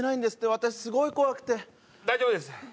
私すごい怖くて大丈夫です